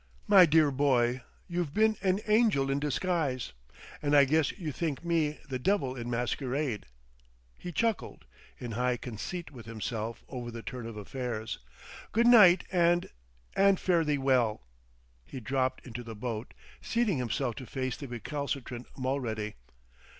"My dear boy, you've been an angel in disguise! And I guess you think me the devil in masquerade." He chuckled, in high conceit with himself over the turn of affairs. "Good night and and fare thee well!" He dropped into the boat, seating himself to face the recalcitrant Mulready.